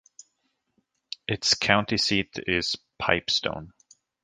Its county seat is Pipestone.